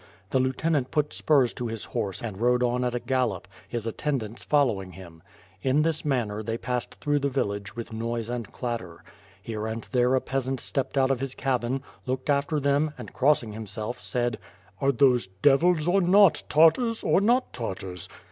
The lieutenant put spurs to his horse and rode on at a gallop, his attendants fol lowing him. In this manner, they passed through the vil lage with noise and clatter. Here and there a peasant stepped out of his cabin, looked after them and, crossing himself, said, "Are those devils or not, Tartars or not Tartars?